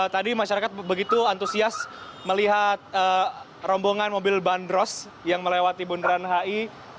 tadi masyarakat begitu antusias melihat rombongan mobil bandros yang melewati bundaran hi